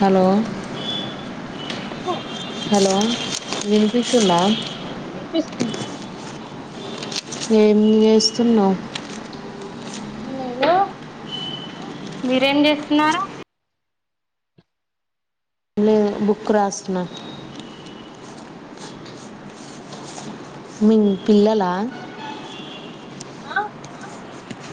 Hello చెప్పు hello వినిపిస్తుందా వినిపిస్తుంది నేం చేస్తున్నావు ఏం లేదు మీరేం చేస్తున్నారు లేదు బుక్ రాస్తున్నా అ మీ పిల్లల ఆ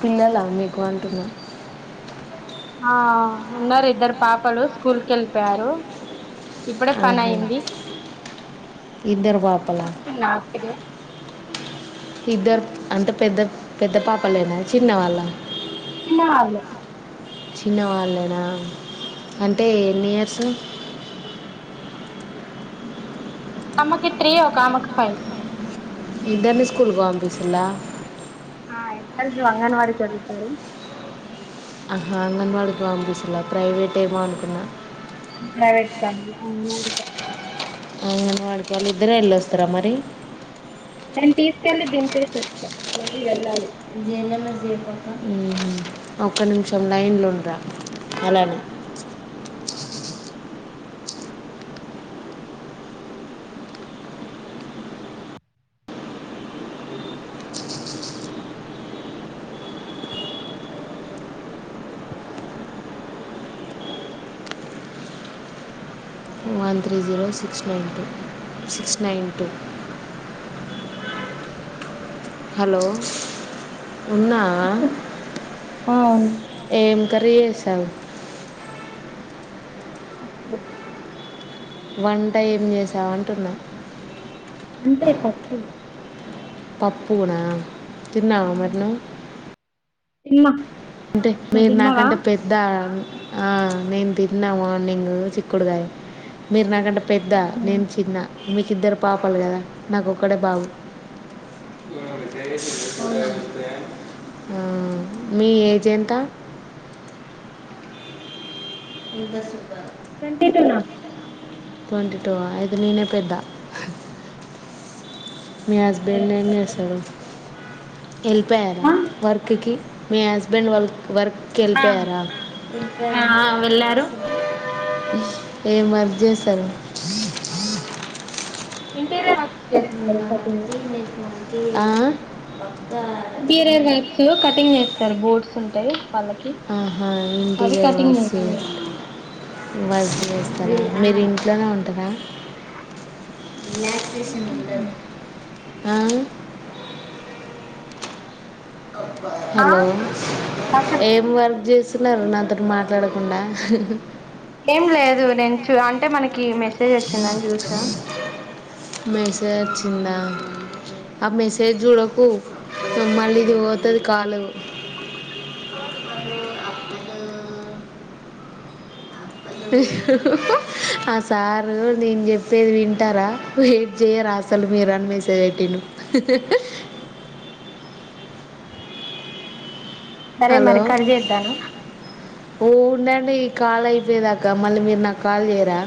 పిల్లలా మీకు అంటున్నా ఆ ఉన్నారు ఇద్దరు పాపలు స్కూల్ కెళ్ళిపోయారు ఇప్పుడే పని ఆహా అయింది ఇద్దరు పాపలా కూర్చున్న ఇప్పుడే ఇద్దరు అంటే పెద్ద పెద్ద పాపలేనా చిన్న వాళ్ళ చిన్న వాళ్ళు చిన్న వాళ్లేనా అంటే ఎన్ని ఇయర్స్ ఒకమ్మికి త్రీ ఒకామెకు ఫైవ్ ఇద్దర్ని స్కూల్ కి పంపిస్తుండా ఆ ఇద్దరూ అంగన్వాడీ చదువుతారు ఆహా అంగన్వాడికి పంపిస్తున్నరా ప్రైవేట్ ఏమో అనుకున్నా [unintelligible] అంగన వాడికి వాళ్ళు ఇద్దరే వెళ్ళొస్తారా మరి నేను తీసుకెళ్లి దింపేసి వచ్చా మళ్ళీ వెళ్ళాలి జేఎన్ఎంఎస్ ఒక్క నిమిషం లైన్లో ఉండరా అలానే one three zero six nine two six nine two hello ఉన్నావా అవును ఏం కర్రీ చేస్తావుండా అే వంటై ఏం చేసావు అంటున్నా అంతరి పప్పులు పప్పు కూర తిన్నావా మరదలా ఇన్న అంటే మీరు నాకంటే పెద్ద ఆ ఆహ్ నేను తిన్నా మా నింగ్ చిక్కుడుగాయ మీరు నాకంటె పెద్ద ఉహు నేను చిన్న మీకిద్దరు పాపాలు కదా నాకు ఒక్కడే బాబు అవునా [unintelligible] ఆ మీ ఏజ్ వి ఎంతా ఇ బస్ ట్వంటీ టూ నా ట్వంటీ టూ అయితే నేనే పెద్ద మీ సరే హస్బెండ్ ఎమ్ దగ్గరే. చేస్తాడు వెళ్ళిపోయారా వర్క్కి మీ హస్బెండ్ వాళ్ళు వర్క్కి ఆ వెళ్ళిపోయారా ఆ వెళ్ళిపోయారు ఆ వెళ్ళారు ఏమ్ అది చేశారు ఇంటీరియర్ వర్క్స్ చేస్తారు కటింగ్ [unintelligible] ఆ ఇంటీరియర్ వర్క్స్ కటింగ్ చేస్తారు బోర్డ్స్ ఉంటాయి. వాళ్ళకి అహా అవి ఇంటీరియర్ కటింగ్ వర్క్స్ చేస్తారు వా చేస్త మీరు ఇంట్లోనే ఉంటరా రిలాక్సేషన్ ఉండదు ఆ ఆ హలో ఆ చెప్పు ఏం వర్క్ చేసి తున్నారు నా తోటి మాట్లాడకుండా ఏం లేదు నించు అంటే మనకి కీ మెసేజ్ వచ్చిందని చూసా మెసేజ్ వచ్చిందా ఆ మెసేజ్ చూడకు మళ్ళీది పోతాది కాలు పాడు అ ఆ సారు నేను చెప్పేది వింటారా వెయిట్ చేయరా అసలు మీరు అనిమేసేజి పెట్టిను సరే మరి కర్జేద్దానా ఉహ్ ఉందండి ఈ కాల్ అయిపోయదాకా మళ్ళీ మీరు నాకు కాల్ చేయరా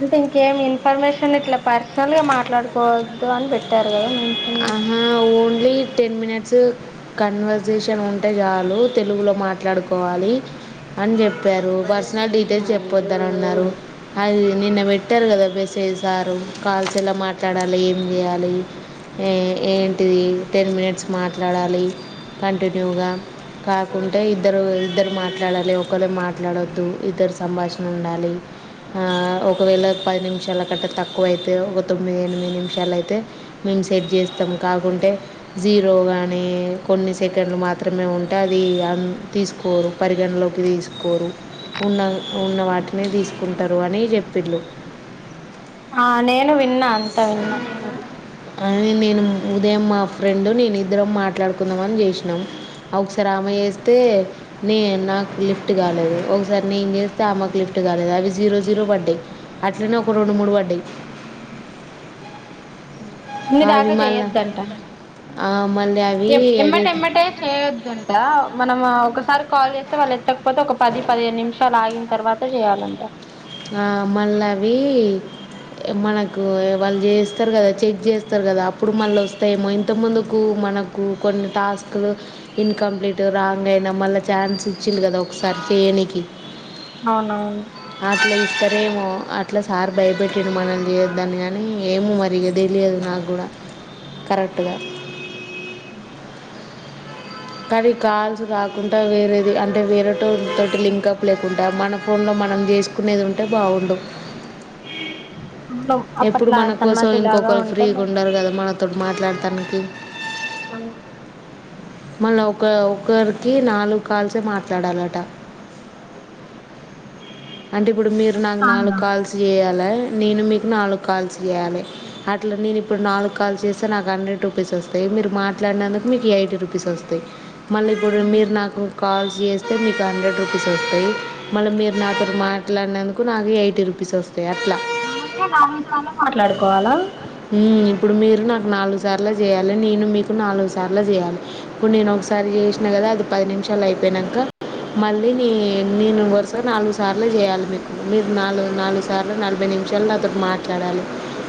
అంటే ఇంకేం ఇన్ఫర్మేషన్ ఇట్లా పర్సనల్ గా మాట్లాడుకోవద్దు అని పెట్టారు కదా మెన్షన్ చేసి ఆహా ఓన్లీ టెన్ మినిట్స్ కన్వర్సేషన్ ఉంటే చాలు, తెలుగులో మాట్లాడుకోవాలి అని చెప్పారు, పర్సనల్, డీటెయిల్స్ చెప్పొద్ద అని అన్నారు అది నిన్న పెట్టారు కదా బెసేసారు కాల్స్ ఎలా మాట్లాడాలి ఏం చేయాలి ఎ ఏంటిది టెన్ మినిట్స్ మాట్లాడాలి కంటిన్యూగా కాకుంటే ఇద్దరు ఇద్దరు మాట్లాడాలి ఒకరే మాట్లాడొద్దు ఇద్దరు సంభాషణ ఉండాలి, ఒకవేళ పది నిమిషాల కంటే తక్కువైతే ఒక తొమ్మిది ఎనిమిది నిమిషాలు అయితే మేము సెట్ చేస్తాం కాకుంటే జీరో కానీ కొన్ని సెకండ్లు మాత్రమే ఉంటే అది అ తీసుకోరు పరిగణలోకి తీసుకోరు ఉన్న ఉన్న వాటిని తీసుకుంటారు అని చెప్పిళు ఆ నేను విన్నా అంత విన్నా అది అ నేను ఉదయం మా ఫ్రెండు నేను ఇద్దరం మాట్లాడుకుందామ అని చేసినాము ఒకసారి ఆమె చేస్తే నే నాకు లిఫ్ట్ కాలేదు ఒకసారి నేను చేస్తే ఆమకు లిఫ్ట్ కాలేదు అవి జీరో జీరో పడ్డాయి అట్లనే ఒక రెండు మూడు పడ్డాయి అన్ని అవి దాకా మళ్ళీ చేయొద్దంట మళ్ళీ అవి ఎడిట్ ఎమ్మటిెమ్మటే చేయొద్దంట మనం ఒకసారి కాల్ చేస్తే వాళ్ళు ఎత్తకపోతే ఒక పది పదిహేను నిమిషాలు ఆగిన తర్వాత చేయాలంట మళ్ళీ అవి మనకు వాళ్ళు చేస్తారు కదా చెక్ చేస్తారు కదా అప్పుడు మళ్ళ వస్తాయేమో ఇంతముందుకు మనకు కొన్ని టాస్కులు ఇన్కంప్లీట్ రాంగ్ అయినా మళ్ళీ ఛాన్స్ ఇచ్చిండు కదా ఒకసారి చేయనికి అవునవును అట్లా ఇస్తారేమో అట్లా సార్ భయపెట్టిండు మనం చేయ్యదని కనీ ఏమో మరి ఇగ తెలియదు నాకు కూడా కరెక్ట్గా అ కానీ కాల్స్ కాకుండా వేరేది అంటే వేరే తోటి లింకప్ లేకుండా మన ఫోన్లో మనం చేసుకునేది ఉంటే బాగుండు అవును ఎప్పుడు అప్పట్లా మన కోసం సన్మతి లాగా ఇంకొకరు ఉంటే ఫ్రీగా బా ఉండారు కదా మన అతడు మాట్లాడతానికి అ మళ్ళీ ఒక ఒకరికి నాలుగు కాల్సే మాట్లాడాలట అంటే ఇప్పుడు మీరు నాకు నాలుగు కాల్స్ చేయాలి నేను మీకు నాలుగు కాల్స్ చేయాలి అట్లా నేను ఇప్పుడు నాలుగు కాల్స్ చేస్తే నాకు హండ్రెడ్ రూపీస్ వస్తాయి మీరు మాట్లాడినందుకు మీకు ఎయిటీ రూపీస్ వస్తాయి. మల్లి ఎప్పుడు మీరు నాకు కావల్సి చేస్తే హండ్రెడ్ రూపీస్ వస్తయి మళ్ల మీర్ నాతో మాట్లాడినందుకు నాకు ఎయిటీ రుపీస్ వస్తాయి అట్ల మనమే నాలుగు సార్ల మాట్లాడుకోవాలా ఉం ఇప్పుడు మీరు నాకు నాలుగు సార్లు చేయాలే నేను మీకు నాలుగు సార్లు చేయాలే ఇప్పుడు నేను ఒకసారి చేసినా కదా అది పది నిమిషాలు అయిపోయినంక మళ్ళీ నీ నేను వరుసగా నాలుగు సార్లు చేయాలి మీకు మీరు నాలుగు నాలుగు సార్లు నలభై నిమిషాలు నాతో మాట్లాడాలే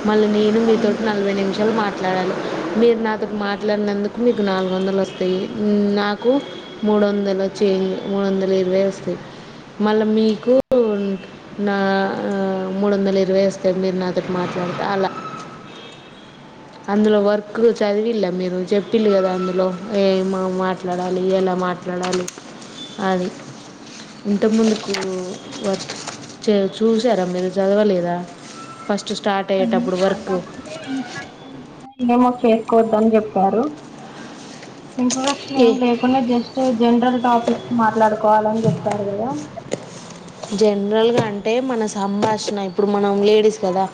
మళ్ళీ నేను మీతో నలభై నిమిషాలు మా మాట్లాడాలి మీరు నాతోటి మాట్లాడినందుకు మీకు నాలుగు వందలు వస్తాయి నాకు మూడు వందలు చేంజ్ మూడు వందలు ఇరవై వస్తాయి మళ్ళా మీకు నా మూడు వందలు ఇరవై వస్తయ్ మీరు నాతోటి మాట్లాడితే అలా అందులో వర్క్ చదివిల్లా మీరు చెప్పిల్లు కదా అందులో ఏమ మాట్లాడాలి ఎలా మాట్లాడాలి అది ఇంత ముందుకు వర్క్ చూసారా మీరు చదవలేదా ఫష్ స్టార్ అది అయ్యేటప్పుడు వర్క్ కాకపోతే ఏమో చేసుకోద్దని చెప్పారు ఇంట్రొడక్షన్ ఏ ఏం లేకుండా జస్ట్ జనరల్ టాపిక్స్ మాట్లాడుకోవాలని చెప్తారు కదా జనరల్గా అంటే మన సంభాషణ ఇప్పుడు మనం లేడీస్ కదా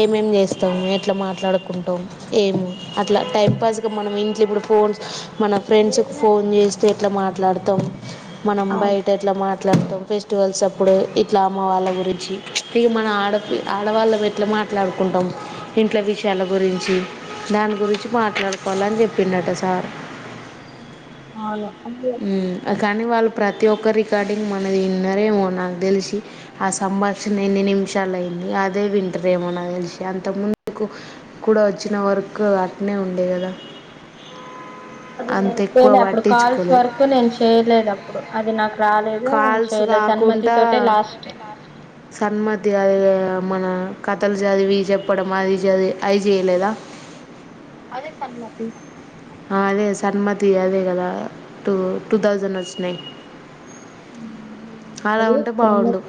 ఏమేం చేస్తాము ఎట్లా మాట్లాడుకుంటాం ఏమి అట్లా టైంపాస్గా మనం ఎం చే ఇప్పుడు ఫోన్స్ మన ఫ్రెండ్స్కి ఫోన్ చేస్తె ఎట్లా మాట్లాడుతాం మనం అవును బయట ఎట్లా మాట్లాడుతాం ఫెష్ టువల్స్ప్ అప్పుడు ఇట్లా అమ్మ వాళ్ళ గురించి ఇక మన ఆడపి ఆడవాళ్ళ పెట్లా మాట్లాడుకుంటాం ఇంట్ల విషయాల గురించి దాని గురించి మాట్లాడుకోవాలని చెప్పిండట సార్ అవును అది ఉం కానీ వా ప్రతి ఒక్క రికార్డింగ్ మనది విన్నరేమో నాకు తెలిసి ఆ సంభాషణ ఎన్ని నిమిషాలు అయింది అదే వింటరేమో నాకు తెలిసి అంత ముందుకు కూడా వచ్చిన వర్క్ అట్నే ఉండే కదా అది నేను లే అప్పుడు కాల్స్ వర్క్ నేను చేయలేదు అప్పుడు అది నా కాల్స్ కాకుండా తోటే లాస్ట్ సన్మతి అది మన కథలు చదివి చెప్పడం అది చది అది చేయలేదా అదే సన్మతి అదే సన్మతి అదే కదా టూ టూ థౌజండ్ వచ్చినాయి అలా అది ఉంటే బాగుండు సన్మతి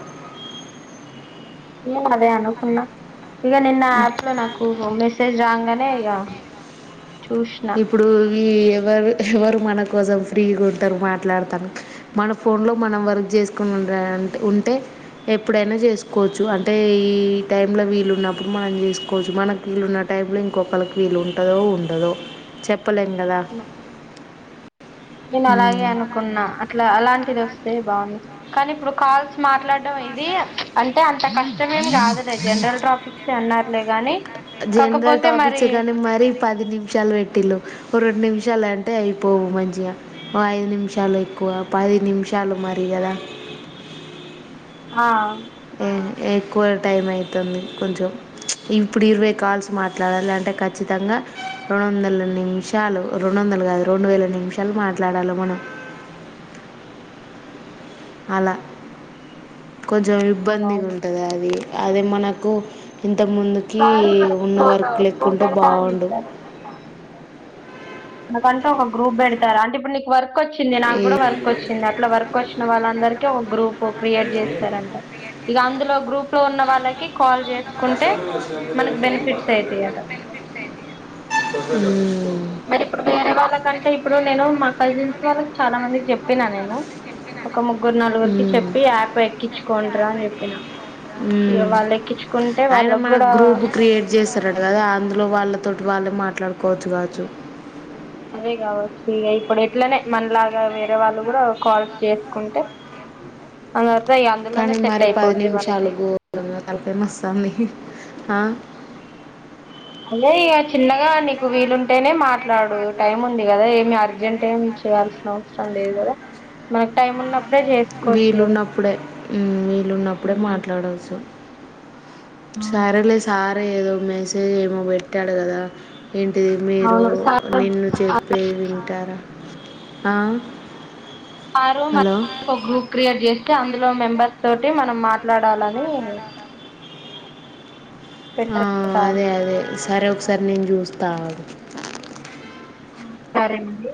నేను అదే అనుకున్నా ఇక నిన్న యాప్ లో నాకు మెసేజ్ రాంగానే యా ఇప్పుడు ఈ ఎవరు ఎవరు మన కోసం ఫ్రీగా ఉంటారు మాట్లాడతాను మన ఫోన్లో మనం వర్క్ చేసుకునింటే ఉంటే ఎప్పుడైనా చేసుకోవచ్చు అంటే ఈ టైంలో వీలు ఉన్నప్పుడు మనం చేసుకోవచ్చు మనకు వీలున్న టైంలో ఇంకొకరికి వీలు ఉంటదో ఉండదో చెప్ పలెం కదా అవును నేను అలాగే అనుకున్నా అట్లా అలాంటిది వస్ అదే బాగుంది కానీ ఇప్పుడు కాల్స్ మాట్లాడడం ఇది అంటే అంతక ఇష్ట ఏం కాదులే జనరల్ టాపిక్స్ అన్నారు లే గానీ జనరల్ టాపిక్స్ కానీ మరి పది నిమిషాలు పెట్టిళు రెండు నిమిషా నిమిషాలంటే అయిపోవు మంచిగా ఓ ఐదు నిమిషాలు ఎక్కువ పది నిమిషాలు మరి కదా హా ఎక్కువ టైం అయితుంది కొంచెం ఇప్పుడు ఇరవై కాల్స్ మాట్లాడాలి అంటే ఖచ్చితంగా రెండు వందల నిమిషాలు రెండు వందలు కాదు రెండు వేల నిమిషాలు మాట్లాడాలి మనం అలా కొంచెం ఇబ్బందిగా అవునవును ఉంటది అది అది మనకు ఇన్ ఇంతముందుకి సారు మనకి ఇప్పుడు ఒక ఉన్నవర్కు గ్రూప్ లెక్కుంటే పెడతా అని బాగుండు అ కంటే ఒక గ్రూప్ పెడతారు అంటే ఇప్పుడు నీకు వర్క్ కు వచ్చింది నాకు ఈ- కూడా వర్క్ వచ్చింది అట్లా వర్క్ వచ్చింది వాళ్ళందరికీ ఒక గ్రూప్ క్రియేట్ చేస్తారంట ఇగ అందులో గ్రూప్ లో ఉన్న వాళ్ళకి కాల్ చేస్ తీసుకుంటే మనకు బెనిఫిట్స్ అయితాయట అయితాయి అట ఉ మరి ఇప్పుడు వేరే వాళ్లకన్ టె ఇప్పుడు నేను మా కజిన్స్ వాళ్ళకి చాలా మందికి చెప్పినా నేను ఒక ముగ్గురు నలుగురికి మ్మ్. చెప్పి యాప్ ఎక్కించుకుంటరా అని చెప్పిన ఇగ మ్మ్. వాళ్ళు ఎక్కించుకుంటే వాళ్ళకు కూడా తరటు కదా అందులో వాళ్ళతోటి వాళ్ళే మాట్లాడుకోవచ్చు కావచ్చు అదే కావచ్చు ఇగ ఇప్పుడు ఎట్లనే మనలాగా వేరే వాళ్ళు కూడా కాల్స్ చేసుకుంటే అందరూ కానీ మరీ పది నిమిషాలు గో తలకాయ నస్తాంది ఆ అదే ఇక చిన్నగా నీకు వీలుంటేనే మాట్ మాట్లాడు టైం ఉంది కదా ఏమి ఆ జెంట్ ఏం చేయాల్సిన అవసరం లేదు కదా మనకు టైం ఉన్న వీలుున్నప్పుడే హ్మ్మ్ వీలుున్నప్పుడే మాట్లాడవచ్చు సరే లే సార్ ఏదో మెసేజ్ ఏమో పెట్టాడు కదా ఏంటిది మీరు అవును సారు నిన్ను చెప్పేది వింటారా ఆ ఆరో మన్ హలో ఒక గ్రూప్ క్రియేట్ చేస్తే అందులో మెంబర్స్ తోటి మనం మాట్లాడాల ని ఆ సార్ అదే అదే సరే ఉక్స్ సరే నేను చూస్తా అగు ఆ సరేనండి